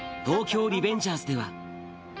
東京リベンジャーズでは。